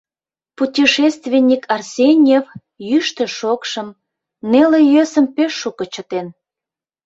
Путешественник Арсеньев йӱштӧ-шокшым, неле-йӧсым пеш шуко чытен.